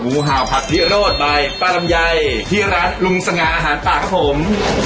ผู้เห่าผัดพิโรธใบป้ารำไยที่รัฐลุงสงาอาหารป่าของผม